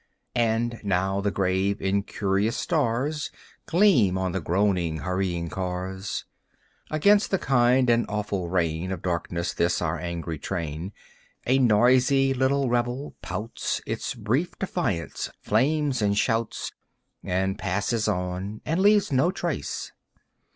And now the grave incurious stars Gleam on the groaning hurrying cars. Against the kind and awful reign Of darkness, this our angry train, A noisy little rebel, pouts Its brief defiance, flames and shouts And passes on, and leaves no trace.